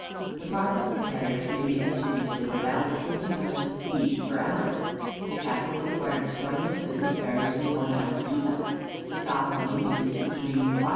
The profits of the carriers may be estimated at about £50 each per annum. The capital required to start in this business varies from £1 to £2. The stock money needed is between 5_s.